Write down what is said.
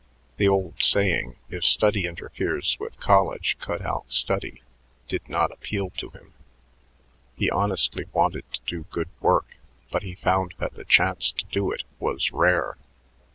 The old saying, "if study interferes with college, cut out study," did not appeal to him. He honestly wanted to do good work, but he found that the chance to do it was rare.